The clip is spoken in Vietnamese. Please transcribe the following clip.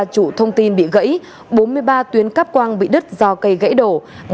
ba trụ thông tin bị gãy bốn mươi ba tuyến cắp quang bị đứt do cây gãy đổ